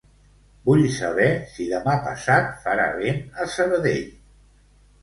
Vull saber si demà passat farà vent a Sabadell.